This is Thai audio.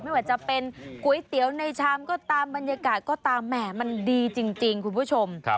ไม่ว่าจะเป็นก๋วยเตี๋ยวในชามก็ตามบรรยากาศก็ตามแหม่มันดีจริงคุณผู้ชม